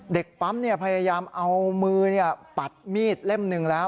เด็กปั๊มพยายามเอามือปัดมีดเล่มหนึ่งแล้ว